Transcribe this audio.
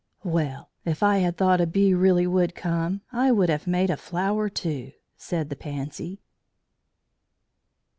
"Well, if I had thought a bee really would come, I would have made a flower too," said the Pansy.